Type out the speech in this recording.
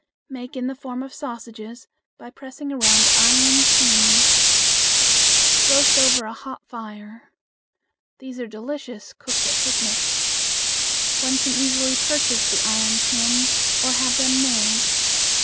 Make in the form of sausages by pressing around iron pins. Roast over a hot fire. These are delicious cooked at picnics. One can easily purchase the iron pins or have them made.